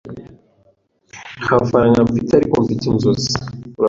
Nta faranga mfite, ariko mfite inzozi.